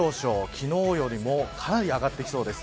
昨日よりもかなり上がってきそうです。